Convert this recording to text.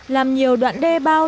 làm nhiều đoạn đe bao